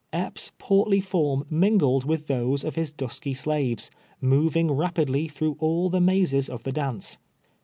Epps' portly form mingled with those of his dusky slaves, mo^■ing rap idly through all the mazes of the dance.